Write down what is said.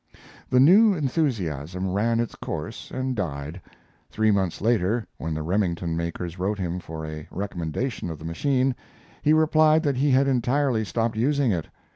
] The new enthusiasm ran its course and died. Three months later, when the Remington makers wrote him for a recommendation of the machine, he replied that he had entirely stopped using it.